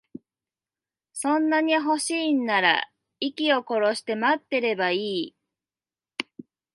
そんなに欲しいんなら、息を殺して待ってればいい。